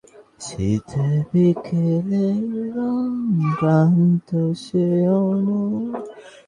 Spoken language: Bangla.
লোকটি তিনটি অত্যন্ত ভয়ানকভাবে খুন করেছে।